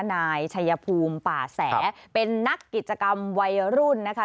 นายชัยภูมิป่าแสเป็นนักกิจกรรมวัยรุ่นนะคะ